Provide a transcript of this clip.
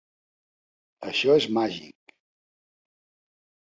Això és màgic...